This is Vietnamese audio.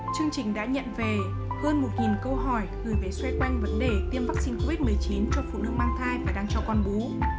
chương trình đã nhận về hơn một câu hỏi gửi về xoay quanh vấn đề tiêm vaccine covid một mươi chín cho phụ nữ mang thai và đang cho con bú